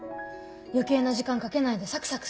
余計な時間かけないでサクサク